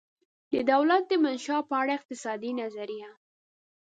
د دولته دمنشا په اړه اقتصادي نظریه